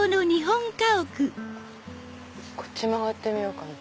こっち曲がってみようかな。